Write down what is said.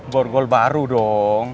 borgol baru dong